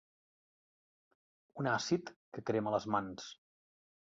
Un àcid que crema les mans.